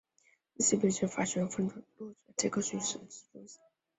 密西西比学院法学分院坐落于州府杰克逊市的市中心。